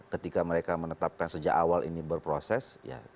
ketika mereka menetapkan sejak awal ini berproses